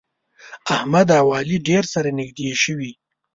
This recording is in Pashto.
احمد او علي ډېر سره نږدې شوي.